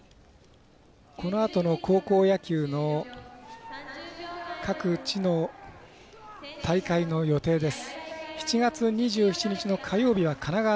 このあとの高校野球の各地の大会の予定です。